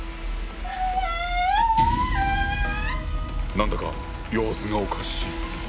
何だか様子がおかしい。